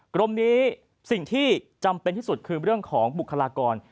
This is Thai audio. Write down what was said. กรมนี้สิ่งที่จำเป็นที่สุดคือเรื่องของบุคลากร